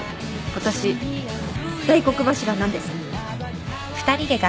私大黒柱なんで。